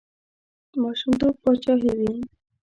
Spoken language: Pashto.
ماشومتوب پاچاهي وي.